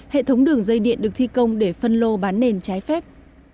hệ thống đường dây điện được thi công để phân lô bán nền trái phép